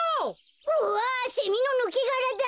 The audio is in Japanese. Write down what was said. うわセミのぬけがらだ！